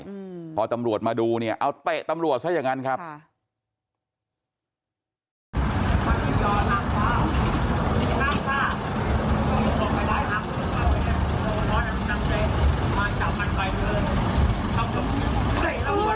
อืมพอตำรวจมาดูเนี่ยเอาเตะตำรวจซะอย่างนั้นครับค่ะ